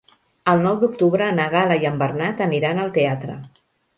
El nou d'octubre na Gal·la i en Bernat aniran al teatre.